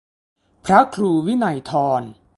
พระครูวินัยธร